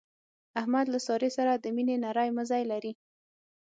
احمد له سارې سره د مینې نری مزی لري.